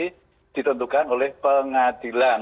jadi ditentukan oleh pengadilan